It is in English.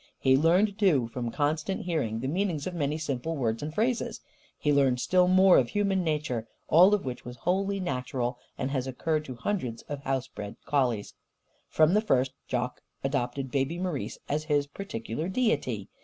He learned, too, from constant hearing, the meanings of many simple words and phrases. He learned still more of human nature all of which was wholly natural and has occurred to hundreds of house bred collies. From the first, Jock adopted Baby Marise as his particular deity.